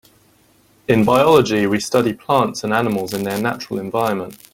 In biology we study plants and animals in their natural environment.